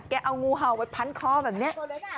เอางูเห่าไปพันคอแบบนี้